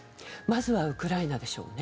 まずはウクライナでしょう